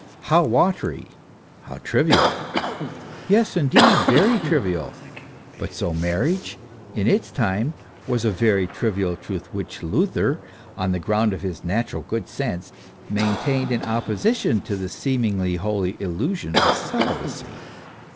How "watery," how trivial! Yes, indeed, very trivial. But so Marriage, in its time, was a very trivial truth, which Luther, on the ground of his natural good sense, maintained in opposition to the seemingly holy illusion of celibacy.